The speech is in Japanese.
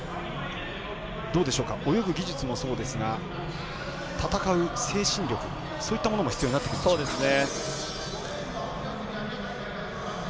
泳ぐ技術もそうですが戦う精神力そういったものも必要になってきますかね。